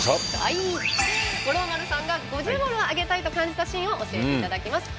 五郎丸さんが五重マルをあげたいと感じたシーンを教えていただきます。